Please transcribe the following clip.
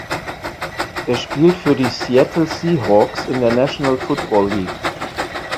Er spielt für die Seattle Seahawks in der National Football League.